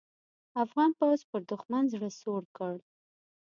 افغان پوځ پر دوښمن زړه سوړ کړ.